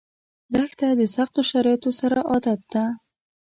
دښته د سختو شرایطو سره عادت ده.